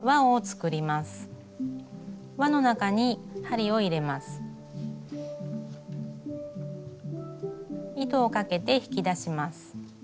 糸をかけて引き出します。